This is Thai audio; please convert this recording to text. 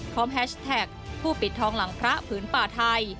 แฮชแท็กผู้ปิดทองหลังพระผืนป่าไทย